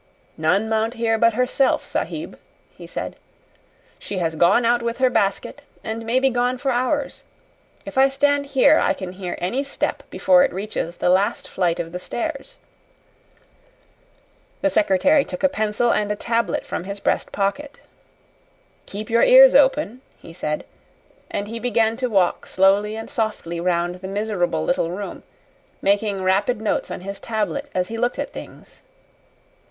"None mount here but herself, Sahib," he said. "She has gone out with her basket and may be gone for hours. If I stand here I can hear any step before it reaches the last flight of the stairs." The secretary took a pencil and a tablet from his breast pocket. "Keep your ears open," he said; and he began to walk slowly and softly round the miserable little room, making rapid notes on his tablet as he looked at things.